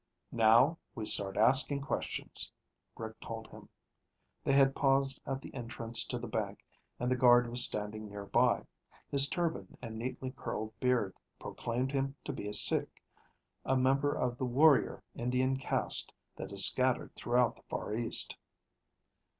"Now we start asking questions," Rick told him. They had paused at the entrance to the bank and the guard was standing near by. His turban and neatly curled beard proclaimed him to be a Sikh, a member of the warrior Indian caste that is scattered throughout the Far East.